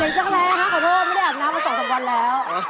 เห็นแจ้งแรงละครับขอโทษไม่ได้อาจน้ำมา๒๓วันแล้ว